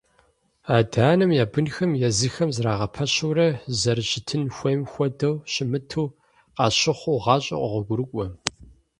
Адэ-анэм я бынхэр езыхэм зрагъапщэурэ, зэрыщытын хуейм хуэдэу щымыту къащыхъуу гъащӀэр къогъуэгурыкӀуэ.